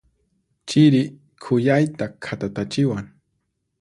Chiri khuyayta khatatachiwan.